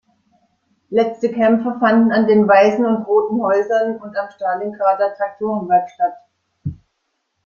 Letzte Kämpfe fanden an den „weißen und roten Häusern“ und am Stalingrader Traktorenwerk statt.